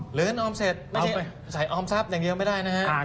เงินออมเสร็จไม่ใช่ใส่ออมทรัพย์อย่างเดียวไม่ได้นะฮะ